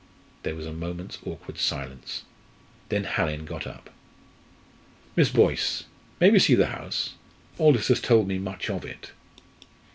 There was a moment's awkward silence. Then Hallin got up. "Miss Boyce, may we see the house? Aldous has told me much of it."